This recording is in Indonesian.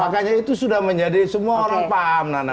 makanya itu sudah menjadi semua orang paham nana